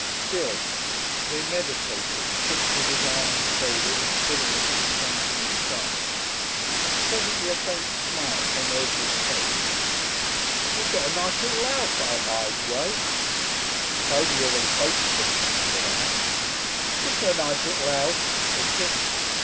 Still " They meditated, Kipps with his arms folded and pulling at his scanty moustache. Presently a faint smile came over his face. "We'll get a nice little 'ouse out Ithe way." "It's 'omelier than Folkestone," said Ann. "Jest a nice little 'ouse," said Kipps.